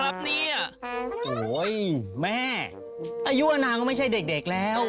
โอ้ยโอ้ยโอ้ยโอ้ยโอ้ยโอ้ย